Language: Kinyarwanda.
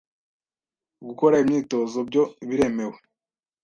gukora imyitozo byo biremewe